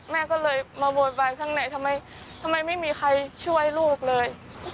แม่ก็เลยมาโวยวายข้างในทำไมไม่มีใครช่วยลูกเลย